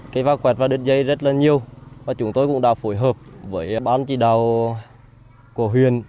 cây va quẹt và đất dây rất là nhiều và chúng tôi cũng đã phối hợp với ban chỉ đào của huyện